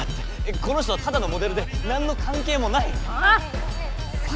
この人はただのモデルでなんの関係もない！